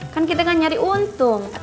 kan kita kan nyari untung